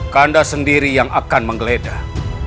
kandas sendiri yang akan menggeledah